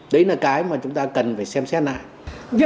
đấy là cái mà chúng ta cần phải xem xét lại